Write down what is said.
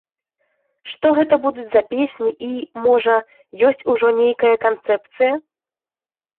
Што гэта будуць за песні, і, можа, ёсць ужо нейкая канцэпцыя?